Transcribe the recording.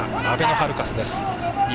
あべのハルカスです。